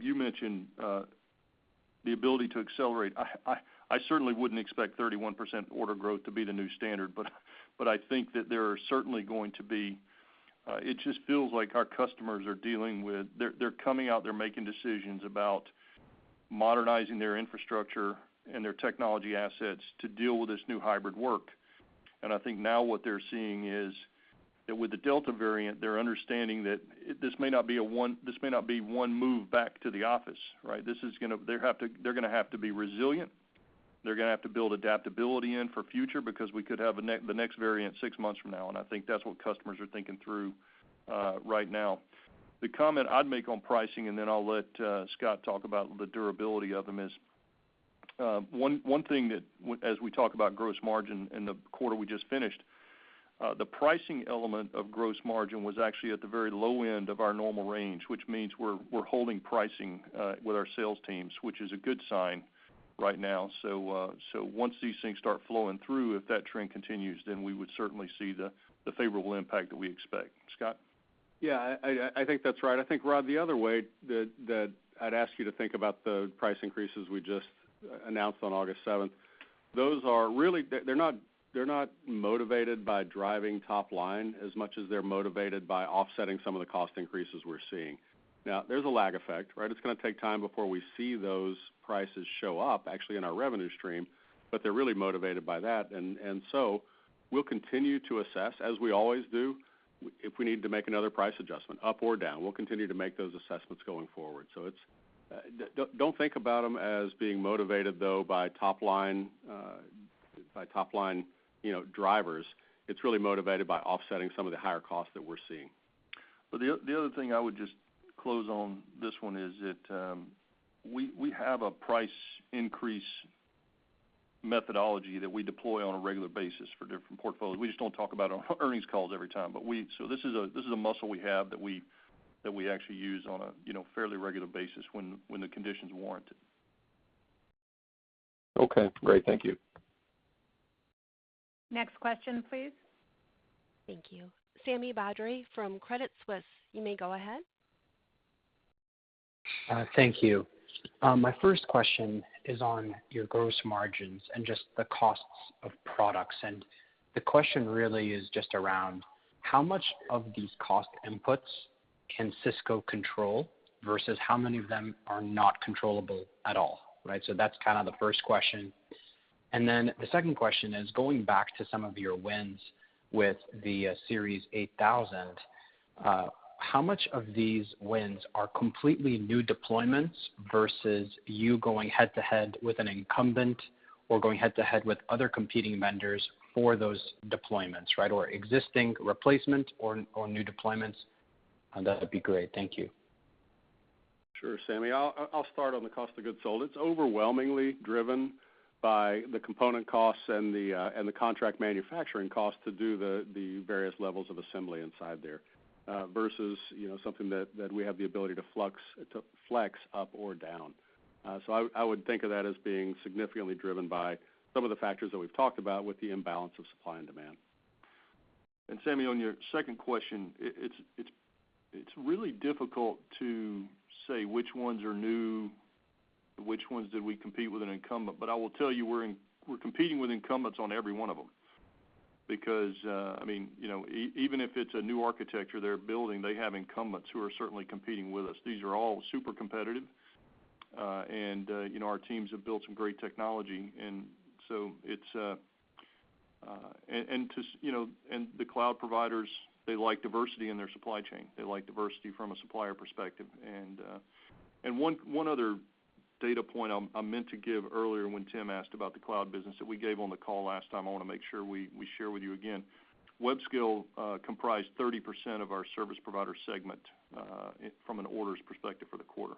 You mentioned the ability to accelerate. I certainly wouldn't expect 31% order growth to be the new standard, but I think that there are certainly going to be, it just feels like our customers are dealing with They're coming out, they're making decisions about modernizing their infrastructure and their technology assets to deal with this new hybrid work. I think now what they're seeing is that with the Delta variant, they're understanding that this may not be one move back to the office, right? They're gonna have to be resilient. They're gonna have to build adaptability in for future because we could have the next variant six months from now, I think that's what customers are thinking through right now. The comment I'd make on pricing, then I'll let Scott talk about the durability of them, is one thing that as we talk about gross margin in the quarter we just finished, the pricing element of gross margin was actually at the very low end of our normal range, which means we're holding pricing with our sales teams, which is a good sign right now. Once these things start flowing through, if that trend continues, then we would certainly see the favorable impact that we expect. Scott? Yeah. I think that's right. I think, Rod, the other way that I'd ask you to think about the price increases we just announced on August 7th, they're not motivated by driving top line as much as they're motivated by offsetting some of the cost increases we're seeing. There's a lag effect, right? It's gonna take time before we see those prices show up actually in our revenue stream, they're really motivated by that. We'll continue to assess, as we always do, if we need to make another price adjustment up or down. We'll continue to make those assessments going forward. Don't think about them as being motivated though by top line, you know, drivers. It's really motivated by offsetting some of the higher costs that we're seeing. The other thing I would just close on this one is that we have a price increase methodology that we deploy on a regular basis for different portfolios. We just don't talk about it on earnings calls every time. This is a muscle we have that we actually use on a, you know, fairly regular basis when the conditions warrant it. Okay, great. Thank you. Next question, please. Thank you. Sami Badri from Credit Suisse, you may go ahead. Thank you. My first question is on your gross margins and just the costs of products. The question really is just around how much of these cost inputs can Cisco control versus how many of them are not controllable at all, right? That's kind of the first question. Then the second question is going back to some of your wins with the Series 8000. How much of these wins are completely new deployments versus you going head-to-head with an incumbent or going head-to-head with other competing vendors for those deployments, right? Or existing replacement or new deployments? That would be great. Thank you. Sure, Sami. I'll start on the cost of goods sold. It's overwhelmingly driven by the component costs and the and the contract manufacturing costs to do the various levels of assembly inside there versus, you know, something that we have the ability to flex up or down. I would think of that as being significantly driven by some of the factors that we've talked about with the imbalance of supply and demand. Sami, on your second question, it's really difficult to say which ones are new and which ones did we compete with an incumbent, but I will tell you we're competing with incumbents on every one of them. I mean, you know, even if it's a new architecture they're building, they have incumbents who are certainly competing with us. These are all super competitive. You know, our teams have built some great technology and so it's, you know, and the cloud providers, they like diversity in their supply chain. They like diversity from a supplier perspective. One, one other data point I meant to give earlier when Tim asked about the cloud business that we gave on the call last time, I wanna make sure we share with you again. Webscale comprised 30% of our service provider segment from an orders perspective for the quarter.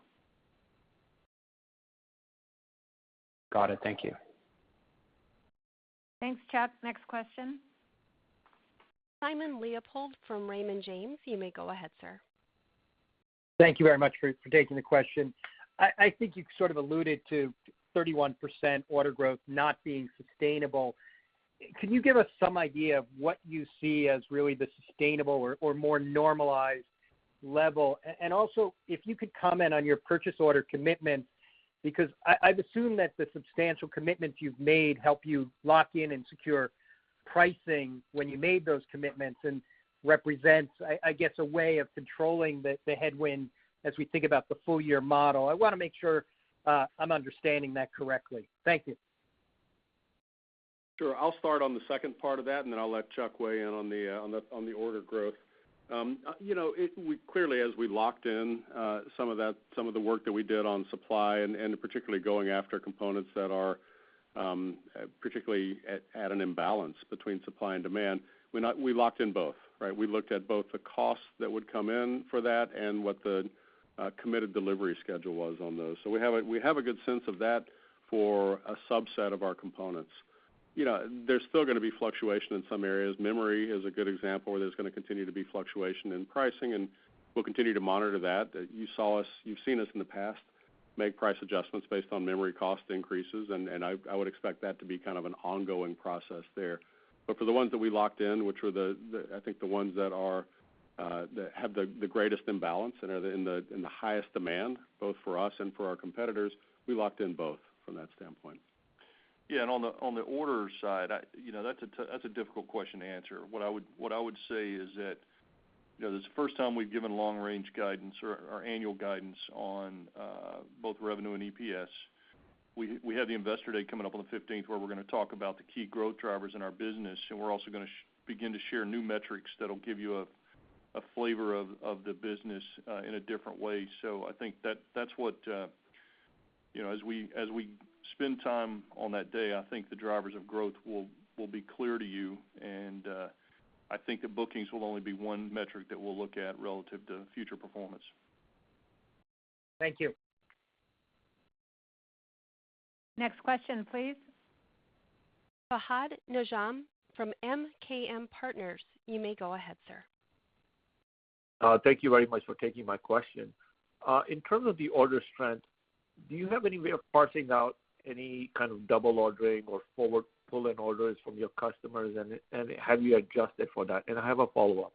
Got it. Thank you. Thanks, Chuck. Next question. Simon Leopold from Raymond James, you may go ahead, sir. Thank you very much for taking the question. I think you sort of alluded to 31% order growth not being sustainable. Can you give us some idea of what you see as really the sustainable or more normalized level? Also, if you could comment on your purchase order commitment, because I've assumed that the substantial commitments you've made help you lock in and secure pricing when you made those commitments and represents, I guess, a way of controlling the headwind as we think about the full year model. I wanna make sure I'm understanding that correctly. Thank you. Sure. I'll start on the second part of that, and then I'll let Chuck weigh in on the order growth. You know, we clearly, as we locked in some of that, some of the work that we did on supply and, particularly going after components that are particularly at an imbalance between supply and demand, we locked in both, right? We looked at both the costs that would come in for that and what the committed delivery schedule was on those. We have a good sense of that for a subset of our components. You know, there's still gonna be fluctuation in some areas. Memory is a good example where there's gonna continue to be fluctuation in pricing, and we'll continue to monitor that. You saw us, you've seen us in the past make price adjustments based on memory cost increases, I would expect that to be kind of an ongoing process there. For the ones that we locked in, which were I think the ones that are that have the greatest imbalance and are in the highest demand, both for us and for our competitors, we locked in both from that standpoint. On the, on the order side, I, you know, that's a difficult question to answer. What I would say is that, you know, this is the first time we've given long-range guidance or our annual guidance on both revenue and EPS. We have the Investor Day coming up on the 15th, where we're gonna talk about the key growth drivers in our business, and we're also gonna begin to share new metrics that'll give you a flavor of the business in a different way. I think that's what, you know, as we spend time on that day, I think the drivers of growth will be clear to you. I think the bookings will only be one metric that we'll look at relative to future performance. Thank you. Next question, please. Fahad Najam from MKM Partners, you may go ahead, sir. Thank you very much for taking my question. In terms of the order strength, do you have any way of parsing out any kind of double ordering or forward pull-in orders from your customers? Have you adjusted for that? I have a follow-up.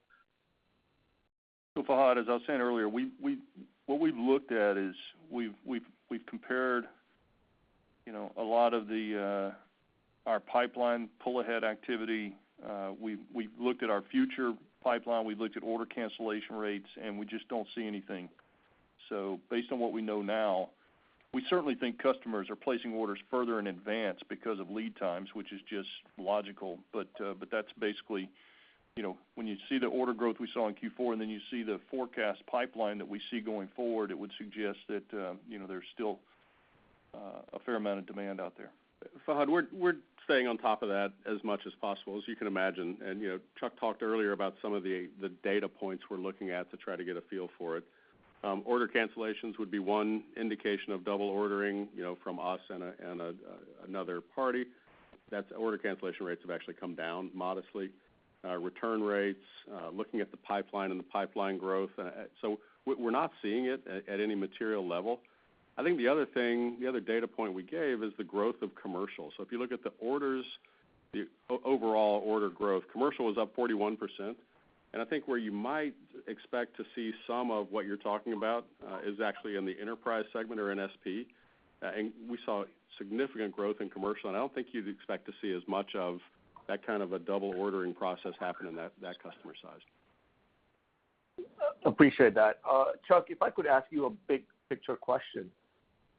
Fahad, as I was saying earlier, what we've looked at is we've compared, you know, a lot of our pipeline pull-ahead activity. We've looked at our future pipeline. We've looked at order cancellation rates, and we just don't see anything. Based on what we know now, we certainly think customers are placing orders further in advance because of lead times, which is just logical. That's basically, you know, when you see the order growth we saw in Q4 and then you see the forecast pipeline that we see going forward, it would suggest that, you know, there's still a fair amount of demand out there. Fahad, we're staying on top of that as much as possible, as you can imagine. You know, Chuck talked earlier about some of the data points we're looking at to try to get a feel for it. Order cancellations would be one indication of double ordering, you know, from us and another party. That's order cancellation rates have actually come down modestly. Return rates, looking at the pipeline and the pipeline growth. We're not seeing it at any material level. I think the other data point we gave is the growth of commercial. If you look at the orders, the overall order growth, commercial was up 41%. I think where you might expect to see some of what you're talking about, is actually in the enterprise segment or in SP. We saw significant growth in commercial, and I don't think you'd expect to see as much of that kind of a double ordering process happen in that customer size. Appreciate that. Chuck, if I could ask you a big-picture question.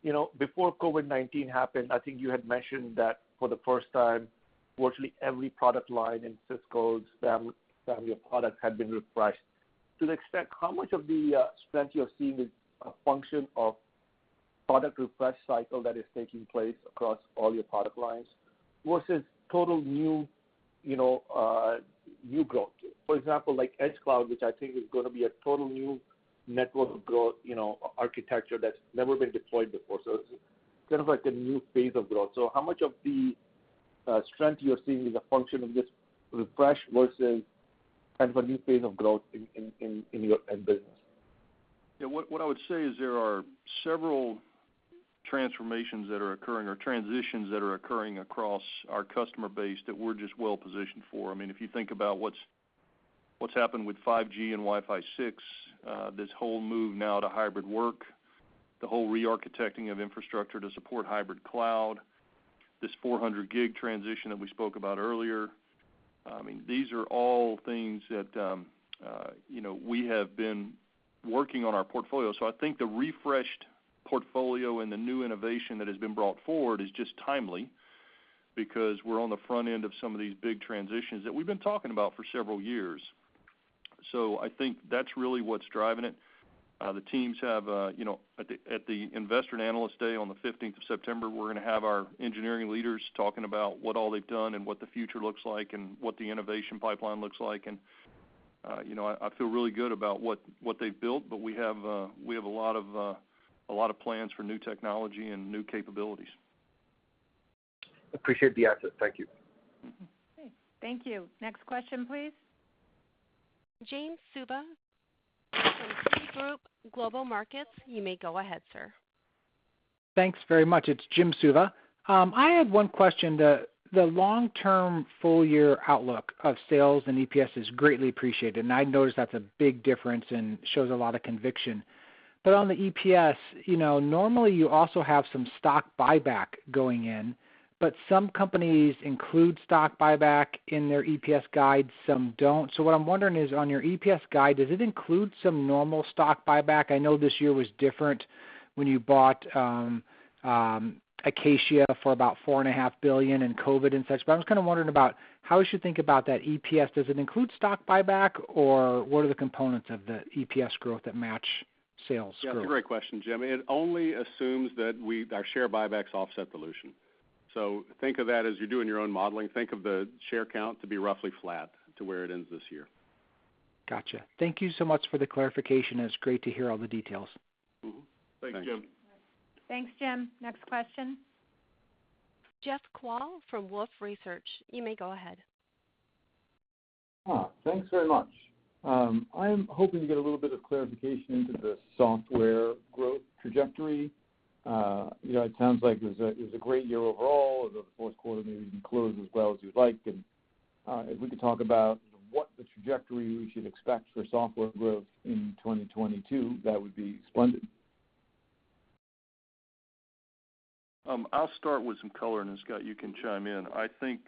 You know, before COVID-19 happened, I think you had mentioned that for the first time, virtually every product line in Cisco's family of products had been refreshed. To an extent, how much of the strength you're seeing is a function of product refresh cycle that is taking place across all your product lines versus total new, you know, new growth? For example, like Edge Cloud, which I think is gonna be a total new network growth, you know, architecture that's never been deployed before, so it's kind of like a new phase of growth. How much of the strength you're seeing is a function of this refresh versus kind of a new phase of growth in your end business? What I would say is there are several transformations that are occurring or transitions that are occurring across our customer base that we're just well positioned for. I mean, if you think about what's happened with 5G and Wi-Fi 6, this whole move now to hybrid work, the whole re-architecting of infrastructure to support hybrid cloud, this 400 gig transition that we spoke about earlier, I mean, these are all things that, you know, we have been working on our portfolio. I think the refreshed portfolio and the new innovation that has been brought forward is just timely because we're on the front end of some of these big transitions that we've been talking about for several years. I think that's really what's driving it. The teams have a, you know, at the Investor and Analyst Day on the 15th of September, we're gonna have our engineering leaders talking about what all they've done and what the future looks like and what the innovation pipeline looks like. You know, I feel really good about what they've built, but we have a lot of plans for new technology and new capabilities. Appreciate the insight. Thank you. Okay. Thank you. Next question, please. Jim Suva from Citigroup Global Markets, you may go ahead, sir. Thanks very much. It's Jim Suva. I had one question. The long-term full year outlook of sales and EPS is greatly appreciated, and I noticed that's a big difference and shows a lot of conviction. On the EPS, you know, normally you also have some stock buyback going in, but some companies include stock buyback in their EPS guides, some don't. What I'm wondering is, on your EPS guide, does it include some normal stock buyback? I know this year was different when you bought Acacia for about $4.5 billion in COVID and such, but I was kind of wondering about how we should think about that EPS. Does it include stock buyback, or what are the components of the EPS growth that match sales growth? Yeah, that's a great question, Jim. It only assumes that our share buybacks offset dilution. Think of that as you're doing your own modeling. Think of the share count to be roughly flat to where it ends this year. Gotcha. Thank you so much for the clarification. It's great to hear all the details. Mm-hmm. Thanks, Jim. Thanks, Jim. Next question. Jeff Kvaal from Wolfe Research. You may go ahead. Thanks very much. I'm hoping to get a little bit of clarification into the software growth trajectory. You know, it sounds like it was a, it was a great year overall, although the fourth quarter maybe didn't close as well as you'd like. If we could talk about what the trajectory we should expect for software growth in 2022, that would be splendid. I'll start with some color, and then Scott, you can chime in. I think,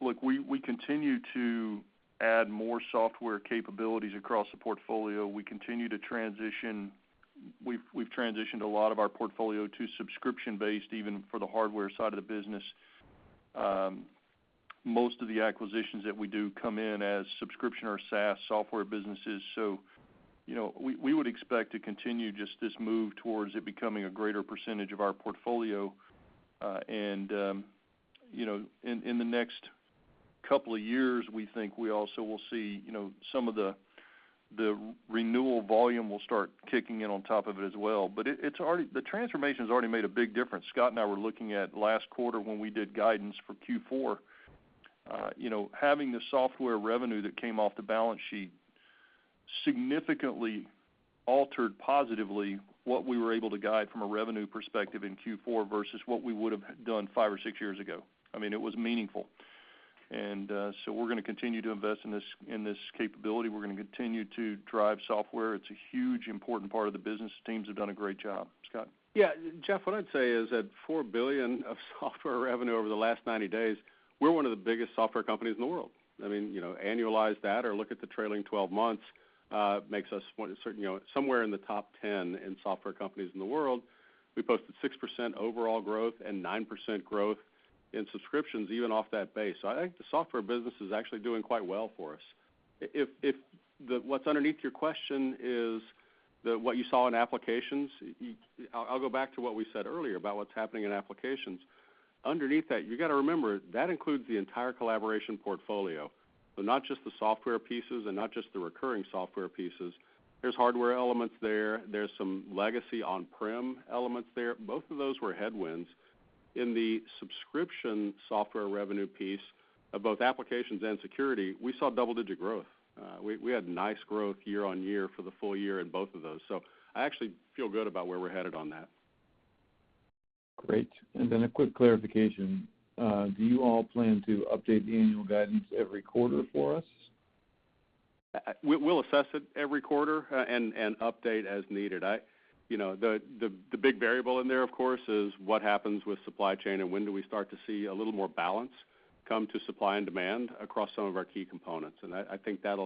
look, we continue to add more software capabilities across the portfolio. We've transitioned a lot of our portfolio to subscription-based, even for the hardware side of the business. Most of the acquisitions that we do come in as subscription or SaaS software businesses, so, you know, we would expect to continue just this move towards it becoming a greater percentage of our portfolio. You know, in the next couple of years, we think we also will see, you know, some of the renewal volume will start kicking in on top of it as well. The transformation's already made a big difference. Scott and I were looking at last quarter when we did guidance for Q4. You know, having the software revenue that came off the balance sheet significantly altered positively what we were able to guide from a revenue perspective in Q4 versus what we would have done five or six years ago. I mean, it was meaningful. So we're gonna continue to invest in this, in this capability. We're gonna continue to drive software. It's a huge important part of the business. The teams have done a great job. Scott? Yeah, Jeff, what I'd say is at $4 billion of software revenue over the last 90 days, we're one of the biggest software companies in the world. I mean, you know, annualize that or look at the trailing 12 months, makes us certain, you know, somewhere in the top 10 in software companies in the world. We posted 6% overall growth and 9% growth in subscriptions even off that base. I think the software business is actually doing quite well for us. If the what's underneath your question is the, what you saw in applications, you I'll go back to what we said earlier about what's happening in applications. Underneath that, you got to remember that includes the entire collaboration portfolio. Not just the software pieces and not just the recurring software pieces. There's hardware elements there. There's some legacy on-prem elements there. Both of those were headwinds. In the subscription software revenue piece of both applications and security, we saw double-digit growth. We had nice growth year-on-year for the full year in both of those. I actually feel good about where we're headed on that. Great. Then a quick clarification. Do you all plan to update the annual guidance every quarter for us? We'll assess it every quarter and update as needed. You know, the big variable in there, of course, is what happens with supply chain and when do we start to see a little more balance come to supply and demand across some of our key components. I think that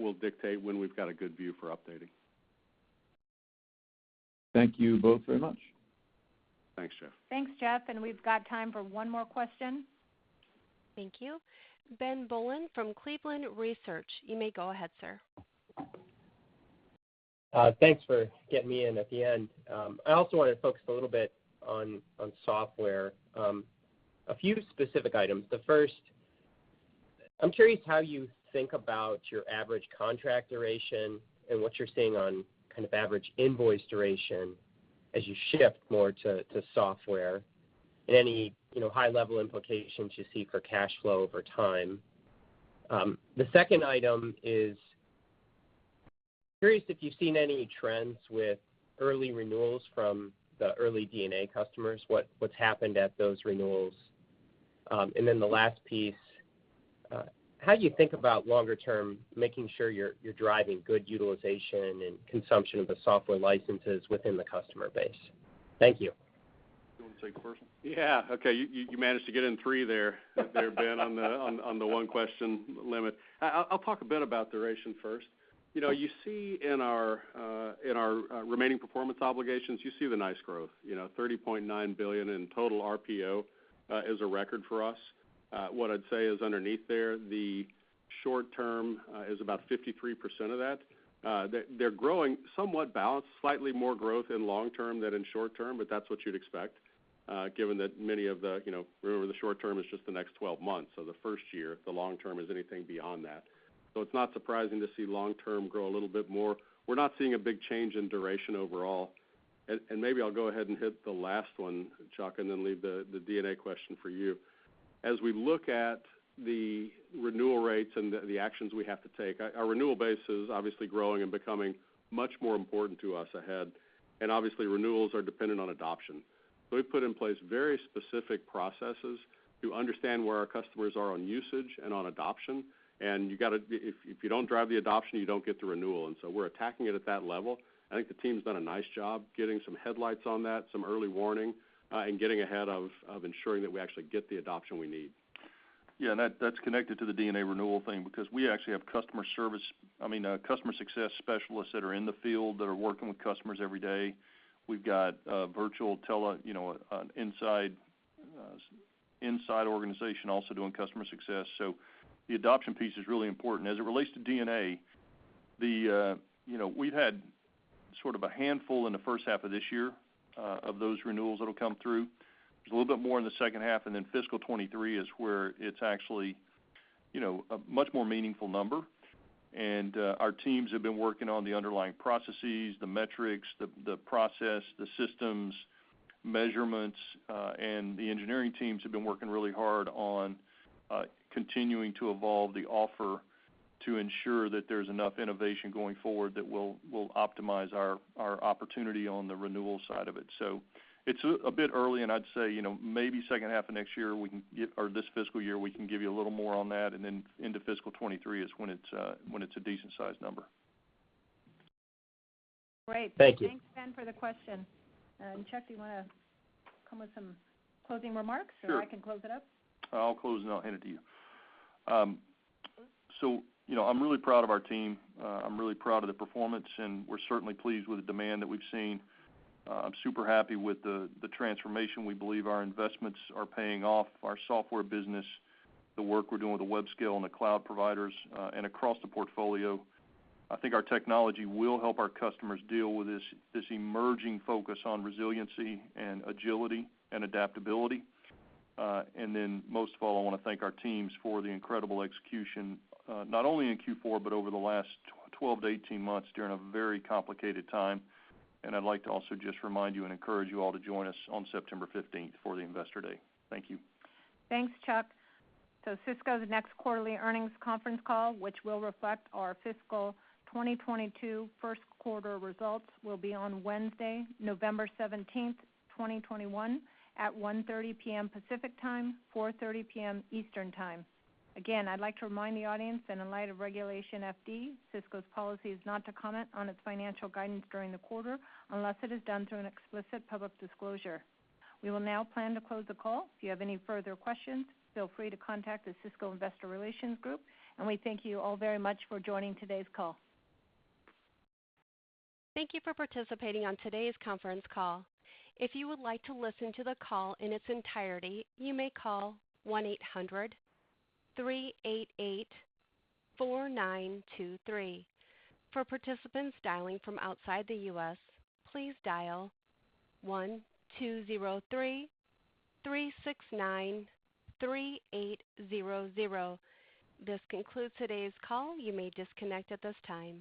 will dictate when we've got a good view for updating. Thank you both very much. Thanks, Jeff. Thanks, Jeff. We've got time for one more question. Thank you. Ben Bollin from Cleveland Research. You may go ahead, sir. Thanks for getting me in at the end. I also want to focus a little bit on software. A few specific items. The first, I'm curious how you think about your average contract duration and what you're seeing on kind of average invoice duration as you shift more to software and any, you know, high-level implications you see for cash flow over time. The second item is curious if you've seen any trends with early renewals from the early DNA customers, what's happened at those renewals? Then the last piece, how do you think about longer term making sure you're driving good utilization and consumption of the software licenses within the customer base? Thank you. You wanna take it first? Yeah. Okay, you managed to get in three there, Ben Bollin, on the one question limit. I'll talk a bit about duration first. You know, you see in our remaining performance obligations, you see the nice growth. You know, $30.9 billion in total RPO is a record for us. What I'd say is underneath there, the short term is about 53% of that. They're growing somewhat balanced, slightly more growth in long-term than in short-term, but that's what you'd expect, given that many of the, you know, remember the short term is just the next 12 months, so the first year. The long term is anything beyond that. It's not surprising to see long term grow a little bit more. We're not seeing a big change in duration overall. Maybe I'll go ahead and hit the last one, Chuck, leave the DNA question for you. As we look at the renewal rates and the actions we have to take, our renewal base is obviously growing and becoming much more important to us ahead, obviously renewals are dependent on adoption. We've put in place very specific processes to understand where our customers are on usage and on adoption. If you don't drive the adoption, you don't get the renewal, we're attacking it at that level. I think the team's done a nice job getting some headlights on that, some early warning, getting ahead of ensuring that we actually get the adoption we need. Yeah, and that's connected to the DNA renewal thing because we actually have customer service, I mean, customer success specialists that are in the field that are working with customers every day. We've got virtual tele, you know, an inside organization also doing customer success, so the adoption piece is really important. As it relates to DNA, the, you know, we've had sort of a handful in the first half of this year of those renewals that'll come through. There's a little bit more in the second half, and then fiscal 2023 is where it's actually, you know, a much more meaningful number. Our teams have been working on the underlying processes, the metrics, the process, the systems, measurements, and the engineering teams have been working really hard on continuing to evolve the offer to ensure that there's enough innovation going forward that will optimize our opportunity on the renewal side of it. It's a bit early, and I'd say, you know, maybe second half of next year we can give or this fiscal year we can give you a little more on that, and then into fiscal 2023 is when it's a decent sized number. Great. Thank you. Thanks, Ben, for the question. Chuck, do you wanna come with some closing remarks? Sure. I can close it up. I'll close, then I'll hand it to you. You know, I'm really proud of our team. I'm really proud of the performance, and we're certainly pleased with the demand that we've seen. I'm super happy with the transformation. We believe our investments are paying off. Our software business, the work we're doing with the web scale and the cloud providers, and across the portfolio, I think our technology will help our customers deal with this emerging focus on resiliency and agility and adaptability. Most of all, I want to thank our teams for the incredible execution, not only in Q4, but over the last 12 months-18 months during a very complicated time. I'd like to also just remind you and encourage you all to join us on September 15th for the Investor Day. Thank you. Thanks, Chuck. Cisco's next quarterly earnings conference call, which will reflect our fiscal 2022 first quarter results, will be on Wednesday, November 17th, 2021 at 1:30 P.M. Pacific Time, 4:30 P.M. Eastern Time. Again, I'd like to remind the audience that in light of Regulation FD, Cisco's policy is not to comment on its financial guidance during the quarter unless it is done through an explicit public disclosure. We will now plan to close the call. If you have any further questions, feel free to contact the Cisco Investor Relations group, and we thank you all very much for joining today's call. Thank you for participating on today's conference call. If you would like to listen to the call in its entirety, you may call 1-800-388-4923. For participants dialing from outside the U.S., please dial 1-203-369-3800. This concludes today's call. You may disconnect at this time.